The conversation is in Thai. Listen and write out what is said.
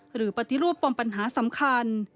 หรือปฏิรูปปมปัญหาสำคัญ